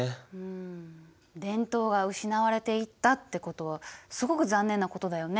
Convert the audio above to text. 伝統が失われていったってことはすごく残念なことだよね。